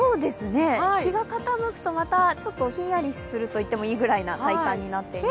日が傾くと、またひんやりするといってもいい体感になっています。